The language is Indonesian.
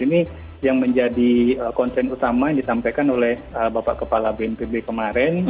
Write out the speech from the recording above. ini yang menjadi konsen utama yang disampaikan oleh bapak kepala bnpb kemarin